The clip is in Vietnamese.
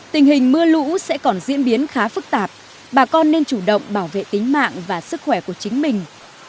tình hình mưa lũ sẽ còn diễn biến khá phức tạp bà con nên chủ động bảo vệ tính mạng và sức khỏe của chính mình